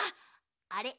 あれ？